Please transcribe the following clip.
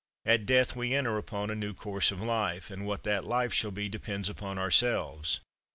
At death we enter upon a new course of life, and what that life shall be depends upon ourselves.